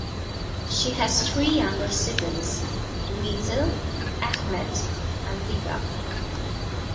She has three younger siblings, Dweezil, Ahmet, and Diva.